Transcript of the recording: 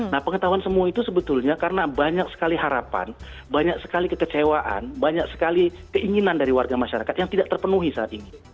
nah pengetahuan semua itu sebetulnya karena banyak sekali harapan banyak sekali kekecewaan banyak sekali keinginan dari warga masyarakat yang tidak terpenuhi saat ini